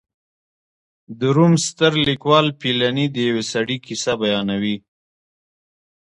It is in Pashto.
د روم ستر لیکوال پیلني د یوه سړي کیسه بیانوي